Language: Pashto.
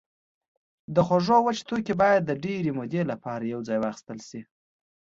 د خوړو وچ توکي باید د ډېرې مودې لپاره یوځای واخیستل شي.